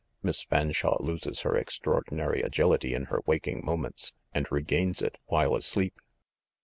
Miss Fanshawe loses her extraordinary agility in her waking moments, and re gains it while asleep."